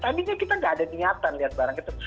tadinya kita gak ada niatan lihat barang itu